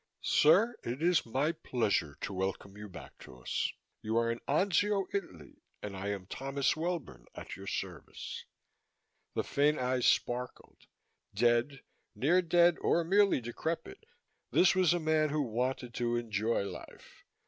"Sir, it is my pleasure to welcome you back to us. You are in Anzio, Italy. And I am Thomas Welbourne, at your service." The faint eyes sparkled. Dead, near dead or merely decrepit, this was a man who wanted to enjoy life.